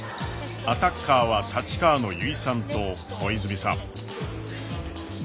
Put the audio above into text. アタッカーは立川の油井さんと小泉さん。